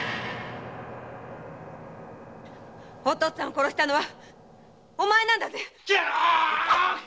お父っつぁんを殺したのはお前なんだね！